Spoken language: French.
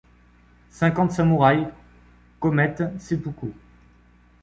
Cinquante samouraïs commettent seppuku.